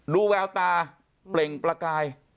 แววตาเปล่งประกาย